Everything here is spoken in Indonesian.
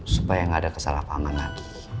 supaya gak ada kesalahpahaman lagi